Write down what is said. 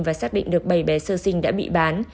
và xác định được bảy bé sơ sinh đã bị bán